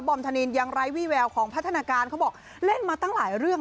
ธนินยังไร้วี่แววของพัฒนาการเขาบอกเล่นมาตั้งหลายเรื่อง